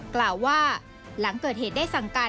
กล่าวว่าหลังเกิดเหตุได้สั่งการ